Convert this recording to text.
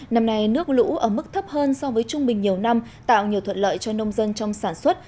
năm nay nước lũ ở mức thấp hơn so với trung bình nhiều năm tạo nhiều thuận lợi cho nông dân trong sản xuất